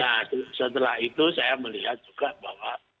ya setelah itu saya melihat juga bahwa